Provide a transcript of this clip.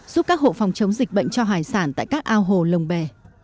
giúp các hộ phòng chống dịch bệnh cho hải sản tại các ao hồ lồng bè